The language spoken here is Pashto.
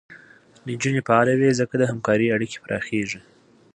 نجونې فعاله وي، ځکه د همکارۍ اړیکې پراخېږي.